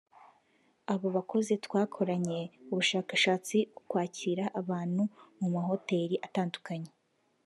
Abo bakozi twakoranye ubushakashatsi ku kwakira abantu mu mahoteli atandukanye